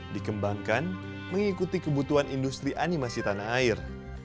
dikembangkan mengikuti kebutuhan industri animasi tanah air